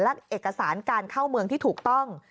และเอกสารการเข้าเมืองที่ถูกต้อง